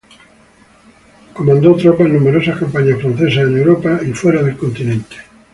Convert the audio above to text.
Comandó tropas en numerosas campañas francesas en Europa y fuera del continente.